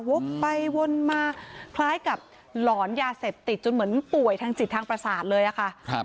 วกไปวนมาคล้ายกับหลอนยาเสพติดจนเหมือนป่วยทางจิตทางประสาทเลยอะค่ะ